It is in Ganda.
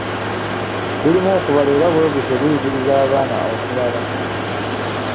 Gulimu okubala era bwe gutyo guyigiriza abaana okubala.